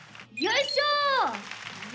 よいしょ。